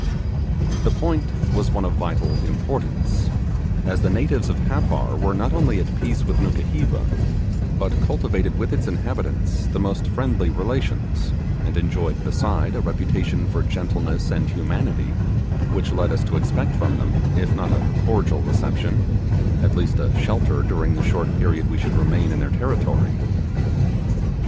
The point was one of vital importance, as the natives of Happar were not only at peace with Nukuheva, but cultivated with its inhabitants the most friendly relations, and enjoyed besides a reputation for gentleness and humanity which led us to expect from them, if not a cordial reception, at least a shelter during the short period we should remain in their territory.